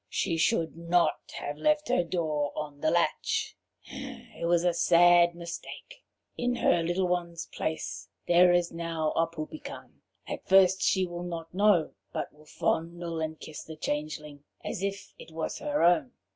"She should not have left her door on the latch; it was a sad mistake. In her little one's place there is now a Poupican. At first she will not know, but will fondle and kiss the changeling as if he were her own.